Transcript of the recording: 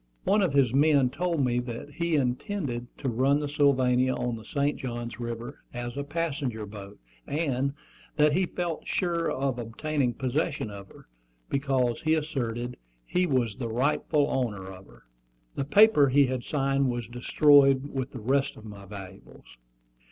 One of his men told me that he intended to run the Sylvania on the St. Johns River as a passenger boat, and that he felt sure of obtaining possession of her, because, he asserted, he was the rightful owner of her. The paper he had signed was destroyed with the rest of my valuables.